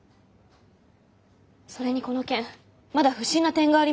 それにこの件まだ不審な点があります。